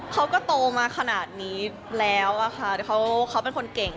เขาก็โตมาขนาดนี้แล้วอะค่ะเขาเป็นคนเก่ง